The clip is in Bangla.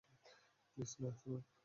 প্লিজ - না, সোনা।